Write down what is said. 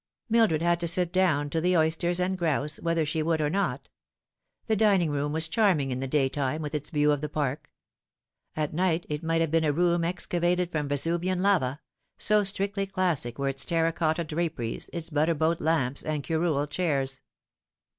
Mildred had to sit down to the oysters and grouse, whether she would or not. The dining room was charming in the day time, with its view of the Park. At night it might have been a room excavated from Vesuvian lava, so strictly classic were its terra cotta draperies, its butter boat lamps, and curule chairs.